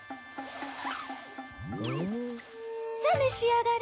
ほお？さあ召し上がれ。